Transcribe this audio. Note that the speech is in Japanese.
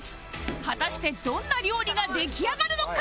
果たしてどんな料理が出来上がるのか？